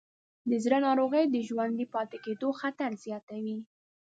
د زړه ناروغۍ د ژوندي پاتې کېدو خطر زیاتوې.